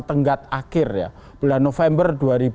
tenggat akhir ya bulan november